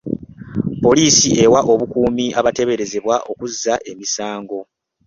Poliisi ewa obukuumi abateeberezebwa okuzza emisango.